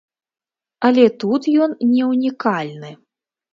Але тут ён не ўнікальны.